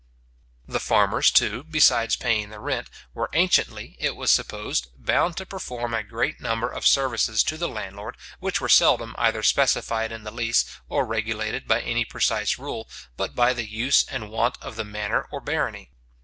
The farmers, too, besides paying the rent, were anciently, it was supposed, bound to perform a great number of services to the landlord, which were seldom either specified in the lease, or regulated by any precise rule, but by the use and wont of the manor or barony.